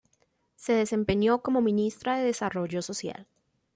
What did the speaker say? Se desempeñó como Ministra de Desarrollo Social.